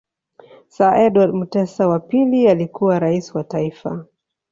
Sir Edward Mutesa wa pili alikuwa Rais wa Taifa